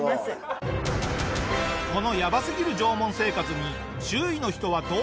このやばすぎる縄文生活に周囲の人はどう思ってるのか？